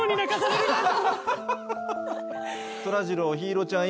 そらジロー陽彩ちゃん